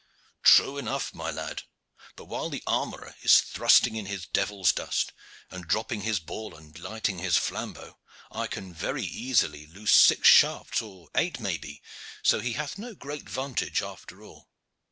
"True enough, my lad. But while the armorer is thrusting in his devil's dust, and dropping his ball, and lighting his flambeau, I can very easily loose six shafts, or eight maybe, so he hath no great vantage after all.